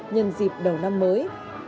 nhân dịp đầu năm mới